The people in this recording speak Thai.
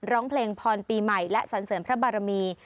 ร้องเพลงพรปีใหม่และสันเสริมพระบารมี